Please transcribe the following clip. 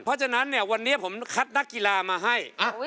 เพราะฉะนั้นเนี่ยวันนี้ผมคัดนักกีฬามาให้